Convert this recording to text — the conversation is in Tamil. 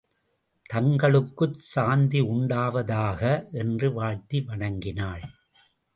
தங்களுக்குச் சாந்தியுண்டாவதாக! என்று வாழ்த்தி வணங்கினாள்.